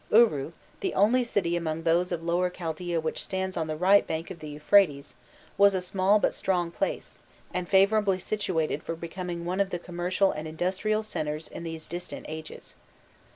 Uru, the only city among those of Lower Chaldaea which stands on the right bank of the Euphrates, was a small but strong place, and favourably situated for becoming one of the commercial and industrial centres in these distant ages.